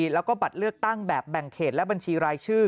แล้วก็บัตรเลือกตั้งแบบแบ่งเขตและบัญชีรายชื่อ